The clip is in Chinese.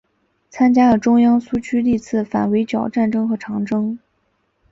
参加了中央苏区历次反围剿战争和长征。